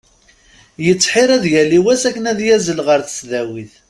Yettḥir ad yali wass akken ad yazzel ɣer tesdawit.